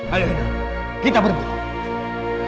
ayo kita berburu